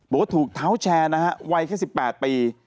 โบ๊ทถูกเท้าแชร์นะฮะวัยแค่๑๘ปี